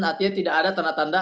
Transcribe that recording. artinya tidak ada tanda tanda